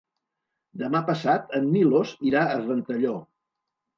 Demà passat en Milos irà a Ventalló.